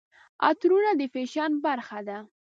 عطرونه د فیشن برخه ده.